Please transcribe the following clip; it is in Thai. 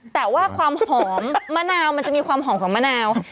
แต่ว่าความหอมมะนาวมันจะมีความหอมของมะนาว